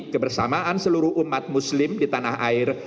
kebersamaan seluruh umat muslim di tanah air